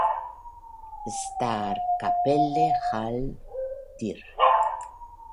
Staatskapelle Halle, dir.